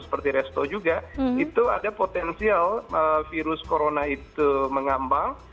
seperti resto juga itu ada potensial virus corona itu mengambang